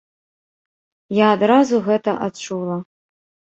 Я адразу гэта адчула.